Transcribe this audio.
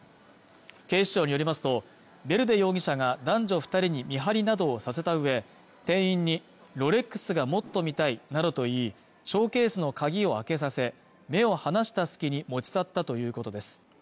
警視庁によりますとヴェルデ容疑者が男女二人に見張りなどさせたうえ店員にロレックスがもっと見たいなどと言いショーケースの鍵を開けさせ目を離した隙に持ち去ったということです